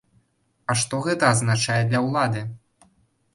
А што гэта азначае для ўлады?